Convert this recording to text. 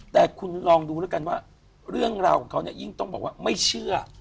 แต่คุณลองดูแล้วกันว่าเรื่องราวของเขาเนี่ยยิ่งต้องบอกว่าไม่เชื่อ